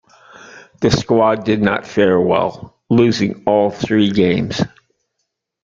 The squad did not fare well, losing all three games.